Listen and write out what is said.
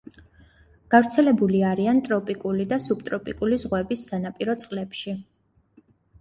გავრცელებული არიან ტროპიკული და სუბტროპიკული ზღვების სანაპირო წყლებში.